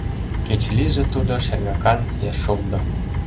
Кеч лийже тудо шергакан я шулдо.